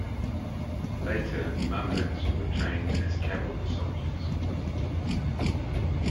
Later Mamluks were trained as cavalry soldiers.